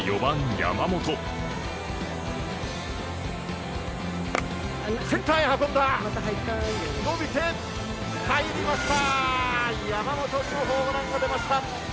山本にもホームランが出ました。